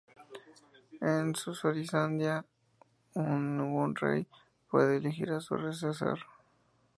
En Suazilandia ningún rey puede elegir a su sucesor.